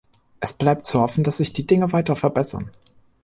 Es bleibt zu hoffen, dass sich die Dinge weiter verbessern.